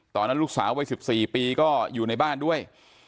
ตอนนั้นลูกสาววัย๑๔ปีก็อยู่ในบ้านด้วย